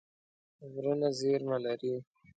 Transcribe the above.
غرونه زیرمه لري.